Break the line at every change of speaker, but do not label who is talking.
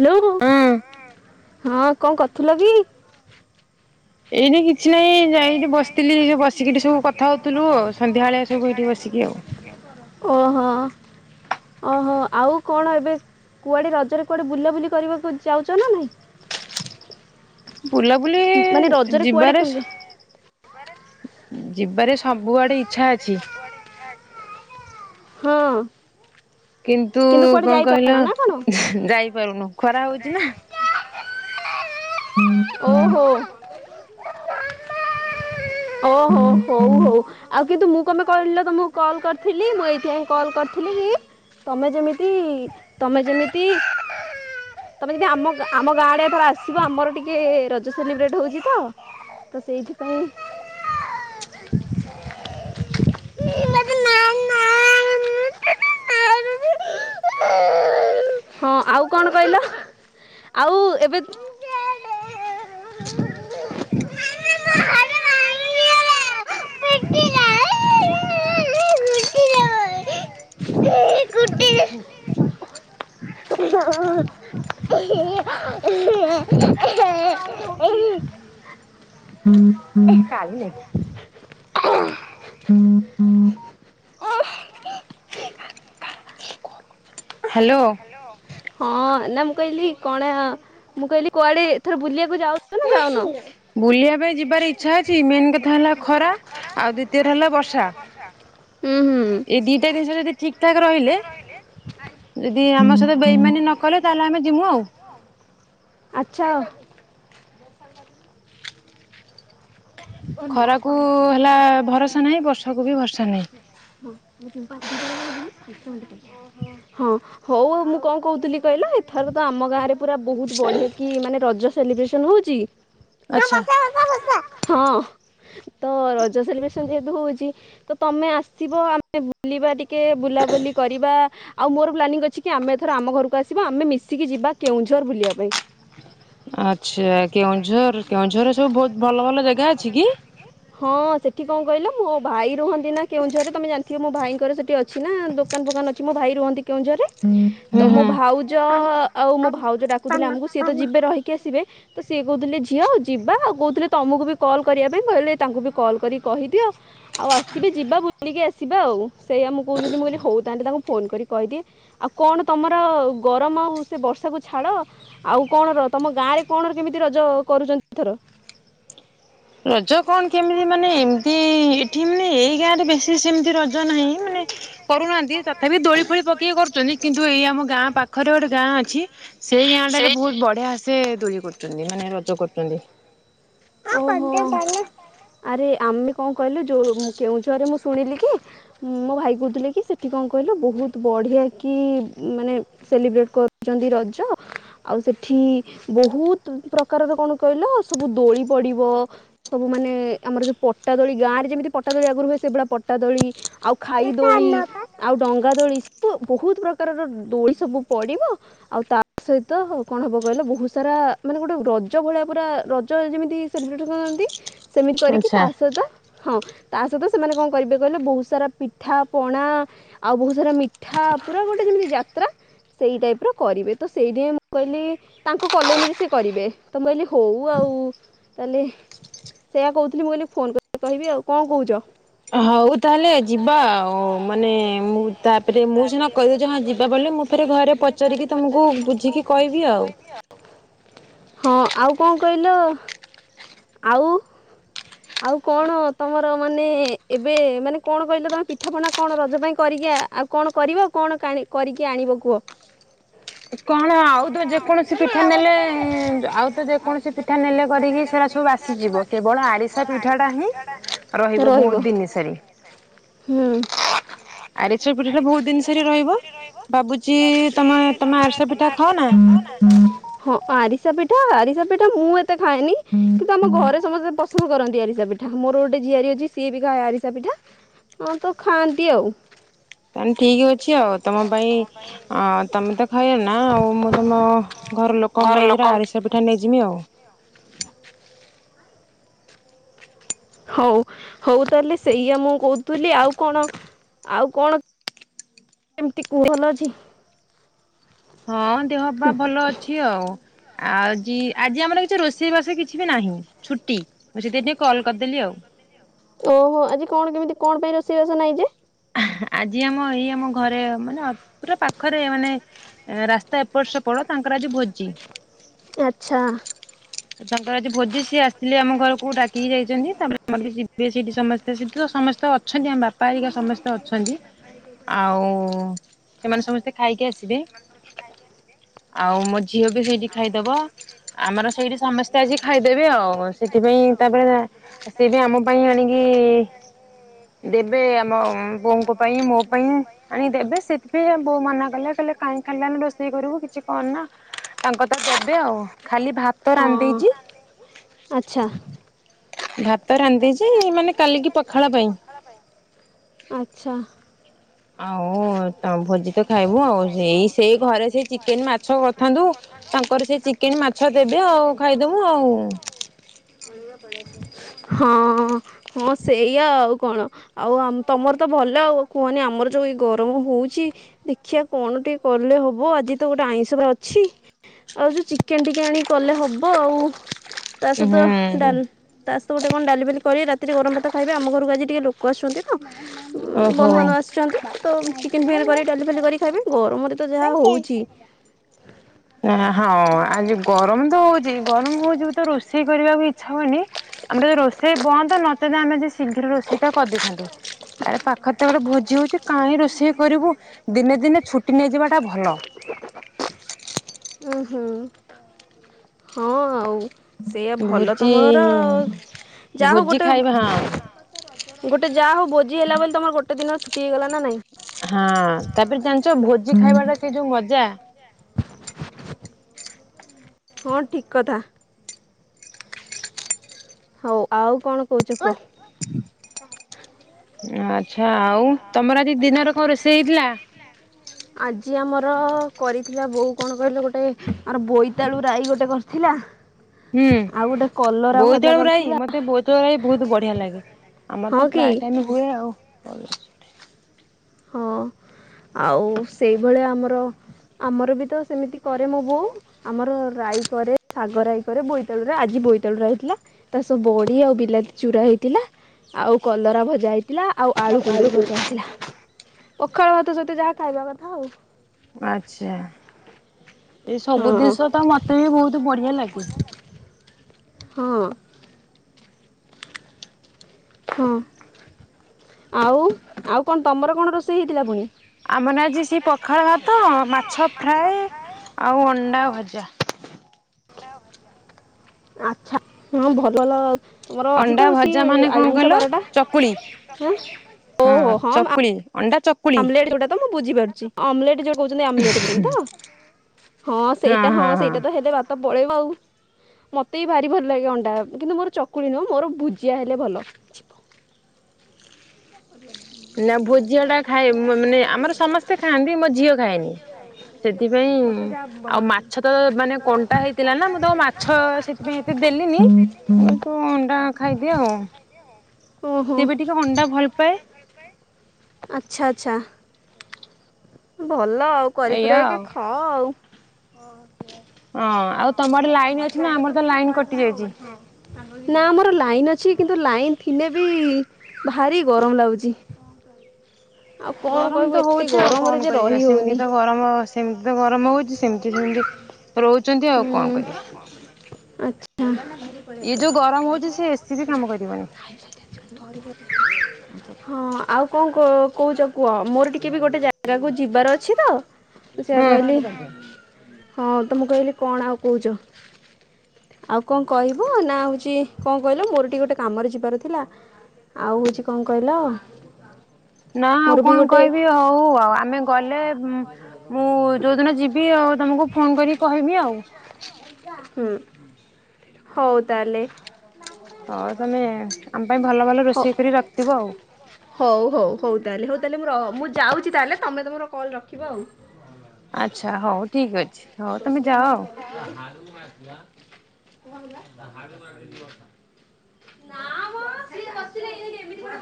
Hello
ହୁଁ।
ହଁ କଣ କରୁଥିଲ କି?
ଏଇ ନେକି କିଛି ନାହିଁ ଯାଇ ଏଠି ବସିଥିଲି ବସିକି ଏଠି ସବୁ କଥା ହଉଥିଲୁ ଆଉ ସନ୍ଧ୍ୟାବେଳେ ସବୁ ଏଠି ବସିକି ଆଉ।
ଓହୋ। ଓହୋ ଆଉ କଣ ଏବେ କୁଆଡେ ରଜରେ କୁଆଡେ ବୁଲା ବୁଲି କରିବାକୁ ଯାଉଛ ନା ନାଇଁ?
ବୁଲାବୁଲି
ମାନେ ରଜରେ କୁଆଡ଼େ
ଯିବାରେ
କେମିତି
ଯିବାରେ ସବୁଆଡେ ଇଛା ଅଛି।
ହଁ।
କିନ୍ତୁ
କୁଆଡ଼େ
କଣ କହିଲ
ଯାଇପାରୁନ ନା କଣ
ଯାଇପାରୁନୁ ଖରା ହୋଉଚି ନା
ଓହୋ। ଓହୋ ହୋଉ ହୋଉ। ଆଉ କିନ୍ତୁ ମୁଁ କପାଇଁ ତମେ କହିଲ ତମକୁ କଲ୍ କରିଥିଲି ମୁଁ ଏଇଥିଆଇଁ କଲ୍ କରିଥିଲି। ତମେ ଯେମିତି ତମେ ଯେମିତି ତମେ ଯେମିତି ଆମ ଆମ ଗାଁଡ଼େ ର ଆସିବ ଆମର ଟିକେ ରଜ ରଜ ସେଲିବ୍ରେଟ ହୋଉଚିତ ତ ସେଇଥିପାଇଁ [unintelligible] ହଁ ଆଉ କଣ କହିଲ ଆଉ ଏବେ ହ [unintelligible] [inaudible]
[unintelligible] [unintelligible]
[unintelligible]
କାଲି ହାଲୋ।
ହଁ ନା ମୁଁ କଇଲି କଣା ମୁଁ କହିଲି କୁଆଡେ ଏଥର ବୁଲିବାକୁ ଯାଉଚ ନା ଯାଉନ।
ବୁଲିବା ପାଇଁ ଯିବାର ଇଚ୍ଛା ଅଛି ମେନ୍ କଥା ହେଲା ଖରା ଆଉ ଦ୍ଵିତୀୟରେ ହେଲା ବର୍ଷା।
ଆଚ୍ଛା। ଉଁ ହୁଁ।
ଏଇ ଦିଟା ଜିନିଷ ଯଦି ଠିକ୍ ଠାକ୍ ରହିଲେ ଯଦି ଆମ ସହିତ ବେଇ ବେଇମାନି ନ କଲେ ତାହଲେ ଆମେ ଯିମୁ ଆଉ
ଆଚ୍ଛା ଅ
ଖରାକୁ ହେଲା ଭରସା ନାହିଁ ବର୍ଷାକୁୁ ବି ଭରସା ନାହିଁ।
[inaudible] ହଁ ହଉ ଆଉ ମୁଁ କଣ କହୁଥିଲି କହିଲ ଏଥର ତ ଆମ ଗାଁରେ ପୁରା ବୋହୁତ ବଢ଼ିଆ କି ମାନେ ରଜ ସେଲିବ୍ରେସନ୍ ହୋଉଚି।
ଆଚ୍ଛା।
ହଁ ତ ରଜ ସେଲିବ୍ରେସନ ଯେହେତୁ ହୋଉଚି ତ ତମେ ଆସିବ ଆମ୍ ଆମେ ବୁଲିବା ଟିକେ ବୁଲାବୁଲି କରିବା ଆଉ ମୋର ପ୍ଲାନିଂ ଅଛି କି ଆମେ ଏଥର ଆମ ଘରକୁ ଆସିବା ଆମେ ମିଶିକି ଯିବା କେଉଁଝର ବୁଲିବା ପାଇଁ।
ଆଚ୍ଛା କେଉଁଝର କେଉଁଝରରେ ସବୁ ବୋହୁତ ଭଲ ଭଲ ଜେଗା ଅଛି କି।
ହଁ ସେଠି କଣ କହିଲ ମୋ ଭାଇ ରୁହନ୍ତି ନା କେଉଁଝରରେ ତମେ ଜାଣି ଥିବ ମୋ ଭାଇଙ୍କର ସେଇଠି ଅଛି ନା ଦୋକାନ ଫୋକାନ ଅଛି ମୋ ଭାଇ ରୁହନ୍ତି କେଉଁଝରରେ
ହୁଁ
ତ ମୋ
ହୁଁ।
ଭାଉଜ
ପାନ
ଆଉ ମୋ
ପାନ
ଭାଉଜ
ପାନ
ଡାକୁଥିଲେ ଆମକୁ ସିଏ ତ
ପାନ
ଯିବେ ରହିକି ଆସିବେ। ତ ସିଏ କହୁଥିଲେ ଝିଅ ଆଉ ଯିବା ଆଉ କହୁଥିଲେ ତମକୁ ବି କଲ୍ କରିବା ପାଇଁ ମୁଁ କହିଲେ ତାଙ୍କୁ ବି କଲ୍ କରିକି କହିଦିଅ। ଆଉ ଆସିବେ ଯିବା ବୁଲିକି ଆସିବା ଆଉ ସେଇଆ ମୁଁ କହୁଥିଲି ମୁଁ କହିଲି ହଉ ତାହେଲେ ତାଙ୍କୁ ଫୋନ କରି କହିଦିଏ ଆଉ କଣ ତମର ଗରମ ଆଉ ସେ ବର୍ଷାକୁ ଛାଡ଼। ଆଉ କଣ ର ତମ ଗାଁ ରେ କଣ କେମିତି ରଜ ଅ କରୁଚନ୍ତି ଏଥର।
ରଜ କଣ କେମିତି ମାନେ ଏମିତି ଏଠି ମାନେ ଏଇ ଗାଁ ରେ ବେଶୀ ଏଠି ସେମିତି ରଜ ନାହିଁ ମାନେ କରୁନାହାନ୍ତି ତଥାପି ଦୋଳି ଫୋଳି ପକେଇି କରୁଚନ୍ତି। କିନ୍ତୁ ଏଇ ଆମ ଗାଁ ପାଖରେ ଗୋଟେ ଗାଁ ଅଛି। ସେଇ ଗାଁ ଟାରେ ବୋହୁତ ବଢିଆ ସେ ଦୋଳି କରୁଚନ୍ତି ମାନେ ରଜ କରୁଚନ୍ତି।
ଓହୋ। ଆରେ ଆମେ କଣ କହିଲୁ ଯୋଉ ମୁଁ କେଉଁଝରରେ ମୁଁ ଶୁଣିଲି କି ହୁଁ ମୋ ଭାଇ କହୁଥିଲେ କି ସେଠି କଣ କହିଲୁ ବୋହୁତ ବଢ଼ିଆ କି ମାନେ ସେଲିବ୍ରେଟ କରୁଚନ୍ତି ରଜ ଆଉ ସେଠି ବହୁତ ପ୍ରକାରର କଣ କହିଲ ସବୁ ଦୋଳି ପଡ଼ିବ। ସବୁ ମାନେ ଆମର ଯୋଉ ପଟାଦୋଳି ଗାଁରେ ଯେମିତି ପଟାଦୋଳି ଆଗରୁୁ ହୁଏ ସେଇଭଳିଆ ପଟାଦୋଳି ଆଉ ଖାଇ ଦୋଳି ଆଉ ଡଙ୍ଗା ଦୋଳି ସେତୁ ବହୁତ ପ୍ରକାରର ଦୋଳି ସବୁ ପଡିବ ଆଉ ତା ସହିତ କଣ ହବ କହିଲ ବହୁତ ସାରା ମାନେ ଗୋଟେ ରଜ ଭଳିଆ ପୁରା ରଜରେ ଯେମିତି ତି ସେଲିବ୍ରେଟ କରନ୍ତି ସେମିତି କରିକି ତା ସହିତ ହଁ ତା ସହିତ ସେମାନେ କଣ କରିବେ କହିଲେ ବହୁତ ସାରା ପିଠା ପଣା ଆଉ ବହୁତ ସାରା ମିଠା ପୁରା ଗୋଟେ ଯେମିତି ଯାତ୍ରା। ସେଇ ଟାଇପ୍ ର କରିବେ ତ ସେଇଥିପାଇଁ ମୁଁ କହିଲି ତାଙ୍କ କଲୋନୀରେ ସେ କରିବେ ମୁଁ କହିଲି ହଉ ଆଉ ତାହେଲେ ସେୟା କହୁଥିଲି ମୁଁ କହିଲି ଫୋନ୍ କଲେ କହିବି ଆଉ କଣ କହୁଛ।
ହଉ ତାହେଲେ ଯିବା ଆଉ ମାନେ ମୁଁ ତାପରେ ମୁଁ ସିନା କହୁଛି ହଁ ଯିବା ବୋଲି ମୁଁ ଥରେ ଘରେ ପଚାରିକି ତମକୁ ବୁଝିକି କହିବି ଆଉ
ହଁ ଆଉ କଣ କହିଲ? ଆଉ ଆଉ କଣ ତମର ମାନେ ଏବେ ମାନେ କଣ କହିଲ ତମେ ପିଠାପଣା କଣ ରଜ ପାଇଁ କରିକିଆ ଆଉ କଣ କରିବ କଣ କରିକି ଆଣିବ କୁହ?
କଣ ଆଉ ତ ଯେକୌଣସି ପିଠା ନେଲେ ଆଉ ତ ଯେକୌଣସି ପିଠା ନେଲେ କରିକି ସେରା ସବୁ ବାସି ଯିବ କେବଳ ଆରିଶା ପିଠା ଟା ହିଁ ରହିବ ବହୁତ ଦିନଷରି
ହୁଁ।
ଆରିସା ପିଠାଟା
ଆରସାପିଠା
ଦିନ
ତ
ସାରି
ବହୁତ ଜିନିଷରେ ରହିବ ଭାବୁଛି
ତମେ
ତମ
ଆରିସା
ତମେ
ଖାଅ
ଆରଶା
ନା
ପିଠା ହ ନା ହଁ ଆରିସା ପିଠା ଆରିସା ପିଠା ମୁଁ ଏତେ ଖାଏନି କିନ୍ତୁ ଆମ ଘରେ ସମସ୍ତେ ଶୁଣ କରନ୍ତି ଆରିଷା ପିଠା ମୋର ଗୋଟେ ଝିଆରିୀ ଅଛି ସିଏ ବି କାଏ ଆରିସା ପିଠା ହଁ ତ ଖାଆନ୍ତି ଆଉ।
ତା ଠିକ ଅଛି ଆଉ ତମ ପାଇଁ ଅ ତମେ ତ ଖାଇଲ ନା ଆଉ ମୁଁ ତମ ଘର ଲୋକ ଙ୍କ ପାଇଁ ଦର ଆରିଶା ପିଠା ନେଇଯିବି ଆଉ
ହଉ ହଉ ତାହେଲେ ସେଇଆ ମୁଁ କହୁଥିଲି ଆଉ କଣ ଆଉ କଣ କେମିତି କୁହଲ ଅଛି।
ହଁ ଦେହ ବା ଭଲ ଅଛି ଆଉ। ଆଉଜି ଆଜି ଆମର କିଛି ରୋଷେଇବାସ କିଛି ବି ନାହିଁ ଛୁଟି ମୁଁ ସେଥି ଟିକେ କଲ୍ କରିଦେଲି ଆଉ।
ଓହୋ ଆଜି କଣ କେମିତି କଣ ପାଇଁ ରୋଷେଇବାସ ନାହିଁ ଯେ?
ଆଜି ଆମ ଏଇ ଆମ ଘରେ ମାନେ ପୁରା ପାଖରେ ମାନେ ଏ ରାସ୍ତା ଏପଟ ସେପଟ ତାଙ୍କର ଆଜି ଭୋଜି
ଆଚ୍ଛା।
ତାଙ୍କର ଆଜି ଭୋଜି ସିଏ ଆସିଥିଲେ ଆମ ଘରକୁ ଡାକିକି ଯାଇଛନ୍ତି ତାପରେ ଆମର ବି ଯିବେ ସେଇଠି ସମସ୍ତେ ସେଠି ତ ସମସ୍ତେ ଅଛନ୍ତି ଆମ ବାପା ଆରିକା ସମସ୍ତେ ଅଛନ୍ତି। ଆଉ ସେମାନେ ସମସ୍ତେ ଖାଇକି ଆସିବେ। ଆଉ ମୋ ଝିଅ ବି ସେଇଠି ଖାଇଦବ ଆମର ସେଇଠି ସମସ୍ତେ ଆଜି ଖାଇଦେବେ ଆଉ ସେଥିପାଇଁ ତାପରେ ସିଏ ବି ଆମ ପାଇଁ ଆଣିକି ଦେବେ ଆମ ପୁଅଙ୍କ ପାଇଁ ମୋ ପାଇଁ ଆଣି ଦେବେ ସେଥିପାଇଁ ବୋଉ ମନା କଲେ କହିଲେ କାହିଁ ଆମେ ରୋଷେଇ କରିବୁ କିଛି କ ନା ତାଙ୍କ ତ ଦେବେ ଆଉ ଖାଲି ଭାତ
ଆଚ୍ଛା
ରାନ୍ଧିଦେଇଛି। ଭାତ ରାନ୍ଧିଛି ମାନେ କାଲିକି ପଖାଳ ପାଇଁ
ଆଚ୍ଛା।
ଆଉ ତମ ଭୋଜି ତ ଖାଇବୁ ଆଉ ସେଇ ସେଇ ଘରେ ସେଇ ଚିକେନ ମାଛ କରିଥାନ୍ତୁ ତାଙ୍କର ସେ କି ମାଛ ଦେବେ ଆଉ ଖାଇଦବୁ ଆଉ
ହଁ ହଁ ସେଇଆ ଆଉ କଣ? ଆଉ ତମର ତ ଭଲ ଆଉ କୁହନି ଆମର ଯୋଉ ଏଇ ଗରମ ହଉଛି ଦେଖିବା କଣ ଟିକେ କଲେ ହବ ଆଜି ତ ଗୋଟେ ଆଇଁଷରେ ଅଛି ଆଉ ଯୋଉ ଚିକେନ ଟିକେ ଆଣିକି କଲେ ହବ ଆଉ। ତା ସହିତ
ହୁଁ।
ଡାଲ ତା ସହିତ ଗୋଟେ କଣ ଡାଲି ବାଲି କରିବେ ରାତିରେ ଗରମ ଭାତ ଖାଇବେ ଆମ ଘରକୁ ଆଜି ଟିକେ ଲୋକ କ ଆସୁଛନ୍ତି ତ ବନ୍ଧୁବାନ୍ଧୁବ ଆସୁଛନ୍ତି ତ ଚିକେନ୍ ଫିକେନ କରି ଡାଲି କରି ଖାଇବେ ଗରମରେ ତ ଯାହା ହୋଉଛି
ନା ହଁ ଆଜି ଗରମ ତ ହୋଉଛି ଗରମ ହୋଉଛି ତ ରୋଷେଇ କରିବାକୁ ଇଚ୍ଛା ହୋଉନି ଆମର ରୋଷେଇ ବନ୍ଦ ନଚେତେ ଆମେ ଆଜି ଶୀଘ୍ର ରୋଷେଇ ଟା କରିଦେଇଥାନ୍ତୂ। ଏ ପାଖରେ ତ ଗୋଟେ ଭୋଜି ହୋଉଛି କାଇଁ ରୋଷେଇ କରିବୁ। ଦିନେ ଦିନେ ଛୁଟି ନେଇଯିବା ଟା ଭଲ।
ଉ ହୁଁ ହଁ ଆଉ ସେଇଆ ଭଲ
ଭୋଜି
ତମର ଯା ହୋଉ
ଭୋଜି
ଗୋଟେ
ଖାଇବା ହଁ
ଗୋଟେ ଯାହା ହୋଉ ଭୋଜିି ହେଲା ବୋଲି ତମର ଗୋଟେ ଦିନ ଛୁଟି ହେଇଗଲା ନା ନାଇଁ।
ହଁ ତାପରେ ଜାଣିଛ ଭୋଜି ଖାଇବା ଟା ସେ ଯୋଉ ମଜା।
ହଁ ଠିକ କଥା। ହଉ ଆଉ କଣ କହୁଛ
ଆଁ
କୁହ।
ଆଚ୍ଛା ଆଉ ତମର ଆଜି ଦିନରେ କଣ ରୋଷେଇ ହେଇଥିଲା?
ଆଜି ଆମର କରିଥିଲା ବୋଉ କଣ କହିଲ ଗୋଟେ ଆର ବୋଇତାଳୁ ରାଇ ଗୋଟେ କରିଥିଲା।
ହୁଁ
ଆଉ ଗୋଟେ କଲରା ଭଜା
ବୋଇତାଳୁ ରାଇ
କରିଥିଲା।
ମତେ ବୋଇତାଳୁରା ବି ବହୁତ ବଢିଆ ଲାଗେ ଆମର
ହଁ
ତ
କି
ପ୍ରାୟ ଟାଇମ ହୁଏ ଆଉ ଭଲ।
ହଁ ଆଉ ସେଇଭଳିଆ ଆମର ଆମର ବି ତ ସେମିତି କରେ ମୋ ବୋଉ ଆମର ରାଇ କରେ। ସାଗ ରାଇକରେ ବୋଇତାଳୁରେ ଆଜି ବୋଇତାଳୁ ରାଇ ହେଇଥିଲା ତା ସହ ବଡି ଆଉ ବିଲାତି ଚୁରା ହେଇଥିଲା। ଆଉ କଲରା ଭଜା ହେଇଥିଲା ଆଉ ଆଳୁ କୁନ୍ଦୁରି ଭଜା ହେଇଥିଲା। ପଖାଳ ଭାତ ସହିତ ଯାହା ଖାଇବା କଥା ଆଉ।
ଆଚ୍ଛା ଏଇ ସବୁ
ହଁ
ଜିନିଷ ତ ମତେ ବି ବହୁତ ବଢିଆ ଲାଗେ।
ହଁ। ହଁ ଆଉ ଆଉ କଣ ତମର କଣ ରୋଷେଇ ହେଇଥିଲା ପୁଣି।
ଆମନ ଆଜି ସେହି ପଖାଳ ଭାତ ମାଛ ଫ୍ରାଏ ଆଉ ଅଣ୍ଡା ଭଜା।
ଆଚ୍ଛା ହଁ ଭଲଲ ତୁମର ଆଜି
ଅଣ୍ଡା
ତ
ଭଜା
ସିଏ
ମାନେ କଣ
ଆଇଶ
କହିଲ
ବାରଟାଁ।
ଚକୁଳି ହଁ ଚକୁଳି ଅଣ୍ଡା ଚକୁଳି
ଆମ୍ଲେଟ ଯୋଉଟା ତ ମୁଁ ବୁଝିପାରୁଛି ଅମଲେଟ ଯୋଉ କହୁଛନ୍ତି ଆମ୍ଳେଟ କହୁଛନ୍ତି ତ। ହଁ ସେଇଟା ହଁ ସେଇଟା ତ ହେଲେ ଭାତ ପଳେଇବ ଆଉ। ମତେ ବି ଭାରି ଭଲ ଲାଗେ ଅଣ୍ଡା କିନ୍ତୁ ମୋର ଚକୁଳି ନୁହଁ ମୋର ଭୁଜିଆ ହେଲେ ଭଲ।
ନା ଭୋଜିଆ ଟା ଖାଏ ମାନେ ଆମର ସମସ୍ତେ ଖାଆନ୍ତି ମୋ ଝିଅ ଖାଏନି। ସେଥିପାଇଁ
ବର୍ଷା ଯା ବଡ
ଆଉ
ମାନ
ମାଛ
କତିକି।
ତ ମାନେ କଣ୍ଟା ହେଇଥିଲା ନା ମୁଁ ତାକୁ ମାଛ ଏ ଏତେ ଦେଲିନି ମୁଁ କହିଲି ତୁ ଅଣ୍ଡା ଖାଇଦିଅ ଆଉ।
ଓହୋ।
ସିଏ ବି ଟିକେ ଅଣ୍ଡା ଭଲପାଏ।
ଆଚ୍ଛା ଆଚ୍ଛା। ଭଲ ଆଉ
ଏଇଆ
କରିକୁରାକି
ଆଉ।
ଖାଅ ଆଉ।
ହଁ ଆଉ ତମ ଆଡେ ଲାଇନ୍ ଅଛି ନା ଆମର ତ ଲାଇନ କଟି ଯାଇଛି।
ନା ଆମର ଲାଇନ ଅଛି କିନ୍ତୁ ଲାଇନ ଥିଲେ ବି ଭାରି ଗରମ ଲାଗୁଛି।
ଗରମ ତ
ଏତେ
ହୋଉଛି ଆଉ
ଗରମରେ
କଣ
ଯେ
କରିବା
ରହି
ସେମିତି
ହଉନି।
ତ ଗରମ ସେମିତି ତ ଗରମ ହେଉଛି ସେମିତି ଯେମିତି ରହୁଛନ୍ତି ଆଉ
ହୁଁ
କଣ କରିବା।
ଆଚ୍ଛା।
ଇଏ ଯୋଉ ଗରମ ହଉଛି ସେ ଏସିି ବି କାମ କରିବନି।
[inaudible] ହଁ ଆଉ କଣ କ କହୁଛ କୁହ ମୋର ଟିକେ ବି ଗୋଟେ ଜାଗାକୁ ଯିବାର ଅଛି ତ। ମୁଁ ସେଆ
ହୁଁ
କହିଲି ହଁ ତ ମୁଁ କହିଲି କଣ ଆଉ କହୁଛ। ଆଉ କଣ କହିବ ନା ହଉଛି କଣ କହିଲ ମୋର ଟିକେ ଗୋଟେ କାମରେ ଯିବାର ଥିଲା। ଆଉ ହଉଛି କଣ କହିଲ?
ନା ଆଉ
ମୋର ବି
କଣ
ଗୋଟେ
କହିବି ହଉ ଆଉ ଆମେ ଗଲେ ମୁଁ ଯୋଉଦିନ ଯିବି ଆଉ ତମକୁ ଫୋନ କରି କହିବି ଆଉ।
ହୁଁ ହଉ ତାହେଲେ।
ହଉ ତମେ ଆମ ପାଇଁ ଭଲ ଭଲ
ହଉ।
ରୋଷେଇ କରି ରଖିଥିବ ଆଉ।
ହଉ, ହଉ, ହଉ, ତାହେଲେ ହଉ, ତାହେଲେ ମୁଁ ରହ ମୁଁ ଯାଉଛି ତାହେଲେ ତମେ ତମର କଲ୍ ରଖିବ ଆଉ। [unintelligible]
ଆଚ୍ଛା ହଉ ଠିକ ଅଛି ହଉ ତମେ ଯାଅ ଆଉ।
[unintelligible] ନା ମ [unintelligible]